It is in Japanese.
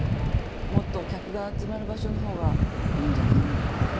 もっと客が集まる場所の方がいいんじゃないのか？